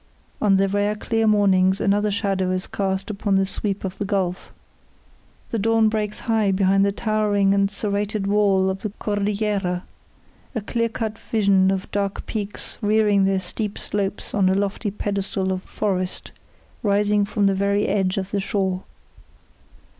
On the rare clear mornings another shadow is cast upon the sweep of the gulf. The dawn breaks high behind the towering and serrated wall of the Cordillera, a clear cut vision of dark peaks rearing their steep slopes on a lofty pedestal of forest rising from the very edge of the shore.